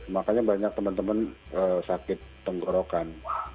makanya banyak teman teman sakit tenggorokan